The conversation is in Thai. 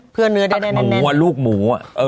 เพื่อเนื้อได้แน่นตัดหมูลูกหมู